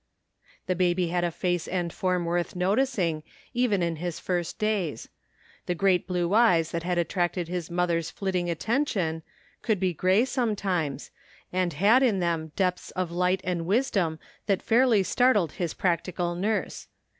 The baby had a face and form worth noticing, even in his first days. The great blue eyes thait had attracted his mother's flitting attention, could be gray sometimes, and had in them depths of light and wisdom that fairly startled his practical nurse.